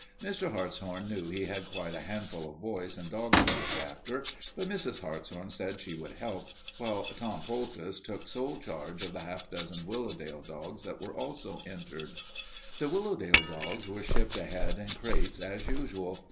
Mr. Hartshorn knew he had quite a handful of boys and dogs to look after, but Mrs. Hartshorn said she would help, while Tom Poultice took sole charge of the half dozen Willowdale dogs that were also entered. The Willowdale dogs were shipped ahead in crates, as usual.